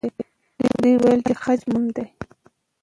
دوی وویل چې خج مهم دی.